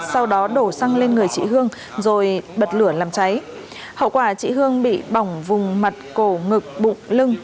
sau đó đổ xăng lên người chị hương rồi bật lửa làm cháy hậu quả chị hương bị bỏng vùng mặt cổ ngực bụng lưng